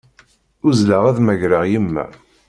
Uzzleɣ ad mmagreɣ yemma.